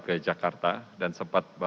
ke jakarta dan sempat